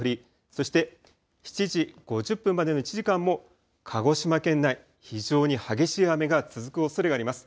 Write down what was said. そして７時５０分までの１時間も鹿児島県内、非常に激しい雨が続くおそれがあります。